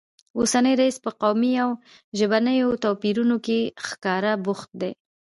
اوسنی رییس په قومي او ژبنیو توپیرونو کې ښکاره بوخت دی